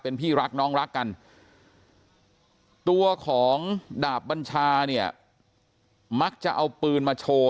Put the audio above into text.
พี่รักน้องรักกันตัวของดาบบัญชาเนี่ยมักจะเอาปืนมาโชว์